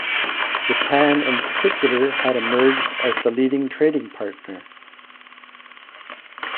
Japan in particular had emerged as the leading trading partner.